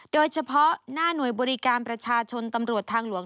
โดยเฉพาะหน้าหน่วยบริการประชาชนตำรวจทางหลวง